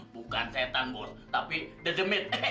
bukan setan bos tapi decimit